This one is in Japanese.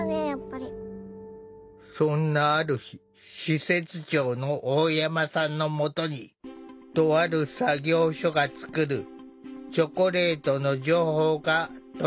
そんなある日施設長の大山さんのもとにとある作業所が作るチョコレートの情報が飛び込んできた。